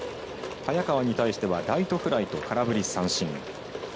早川に対してはライトフライと空振り三振。